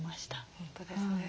本当ですね。